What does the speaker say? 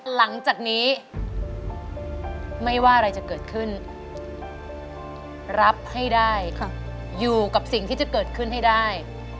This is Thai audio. หลังจากนี้ไม่ว่าอะไรจะเกิดขึ้นรับให้ได้อยู่กับสิ่งที่จะเกิดขึ้นให้ได้